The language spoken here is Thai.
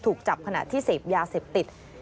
ถูกจับขณะที่เสพยาเสพติด